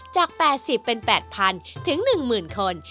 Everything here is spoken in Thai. จาก๘๐เป็น๘๐๐ถึง๑๐๐คน